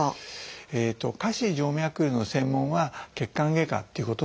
下肢静脈りゅうの専門は血管外科っていうことになる。